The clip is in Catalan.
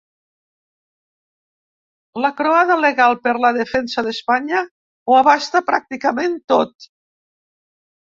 La croada legal per la defensa d’Espanya ho abasta pràcticament tot.